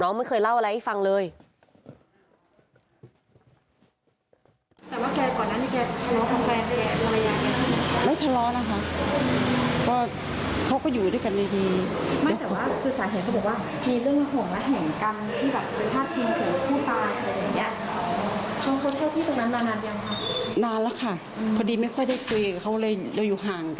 ไม่เคยเล่าอะไรให้ฟังเลย